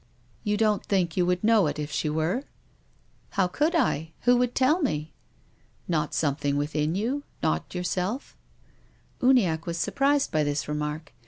"You don't think you would know it if she were r " How could I ? Who would tell me? "" Not something within you ? Not yourself ?" Uniacke was surprised by this remark.